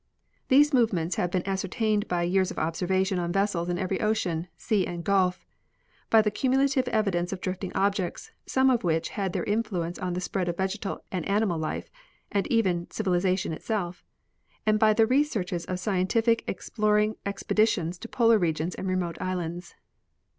These movements have been ascertained by years of observation on vessels in every ocean, sea and gulf, by the cumu lative evidence of drifting objects, some of which have had their influence on the spread of vegetal and animal life and even civilization itself, and by the researches of scientific exploring expeditions to polar regions and remote islands.